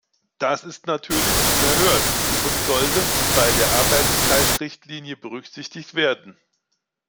Das ist natürlich unerhört und sollte bei der Arbeitszeitrichtlinie berücksichtigt werden.